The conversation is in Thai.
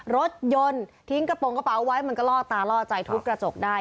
รถยนต์ทิ้งกระโปรงกระเป๋าไว้มันก็ล่อตาล่อใจทุบกระจกได้